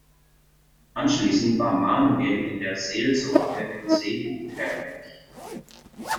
Anschließend war Manuel in der Seelsorge in Cebu tätig.